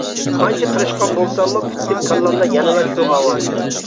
قانچە تىرىشقان بولساممۇ پۈتكۈل كاللامدا يەنىلا شۇ ئاۋاز.